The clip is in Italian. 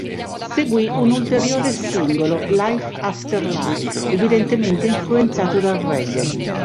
Seguì un ulteriore singolo, "Life After Life", evidentemente influenzato dal reggae.